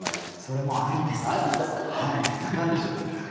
それもありです。